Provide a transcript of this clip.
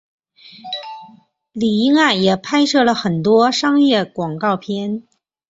李英爱也拍摄了很多商业广告片。